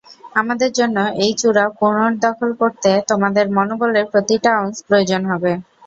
আমাদের জন্য এই চূড়া পুনর্দখল করতে তোমাদের মনোবলের প্রতিটা আউন্স প্রয়োজন হবে।